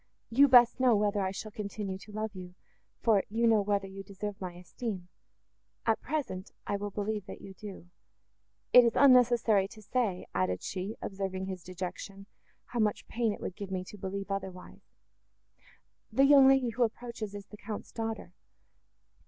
"You best know whether I shall continue to love you, for you know whether you deserve my esteem. At present, I will believe that you do. It is unnecessary to say," added she, observing his dejection, "how much pain it would give me to believe otherwise.—The young lady, who approaches, is the Count's daughter."